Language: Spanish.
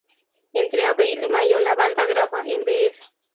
Entre abril y mayo la banda graba en Bs.